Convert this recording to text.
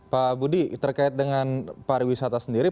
pak budi terkait dengan pariwisata sendiri